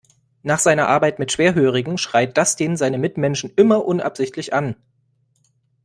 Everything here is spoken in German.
Nach seiner Arbeit mit Schwerhörigen schreit Dustin seine Mitmenschen immer unabsichtlich an.